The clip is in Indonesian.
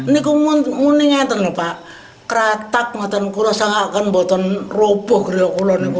neku muningetan lupa keratak matan kulon sangat kan boton roboh gila kulon